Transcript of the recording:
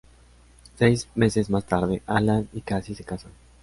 Seis meses más tarde, Alan y Cassie se casan.